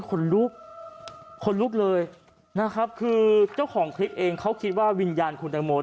คนลุกคนลุกเลยนะครับคือเจ้าของคลิปเองเขาคิดว่าวิญญาณคุณตังโม